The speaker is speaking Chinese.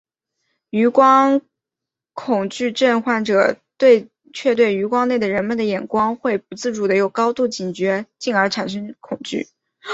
余光恐惧症患者却对余光内的人们的眼光会不自主的有高度警觉进而产生了恐惧。